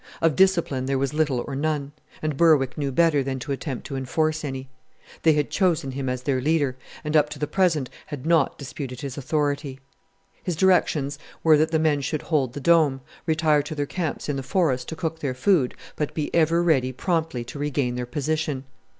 Of discipline there was little or none, and Berwick knew better than to attempt to enforce any. They had chosen him as their leader, and up to the present had not disputed his authority. His directions were that the men should hold the Dome, retire to their camps in the forest to cook their food, but be ever ready promptly to regain their position.